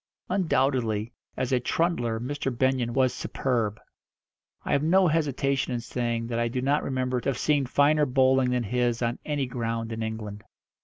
Undoubtedly, as a trundler Mr. Benyon was superb. I have no hesitation in saying that I do not remember to have seen finer bowling than his on any ground in England.